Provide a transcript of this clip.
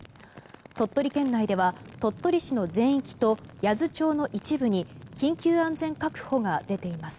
鳥取県内では、鳥取市の全域と八頭町の一部に緊急安全確保が出ています。